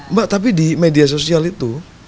mbak tapi di media sosial itu